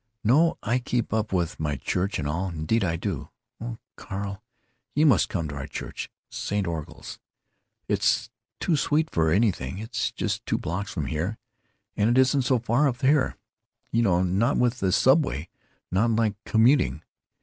"No, I keep up with my church and all—indeed I do. Oh, Carl, you must come to our church—St. Orgul's. It's too sweet for anything. It's just two blocks from here; and it isn't so far up here, you know, not with the subway—not like commuting.